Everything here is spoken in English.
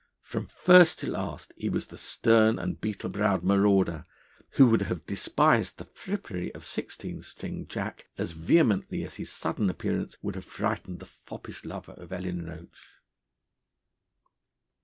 From first to last he was the stern and beetle browed marauder, who would have despised the frippery of Sixteen String Jack as vehemently as his sudden appearance would have frightened the foppish lover of Ellen Roach.